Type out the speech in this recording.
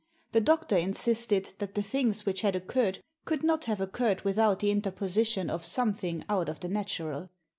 The doctor insisted that the things which had occurred could not have occurred without the interposition of something out of the natural.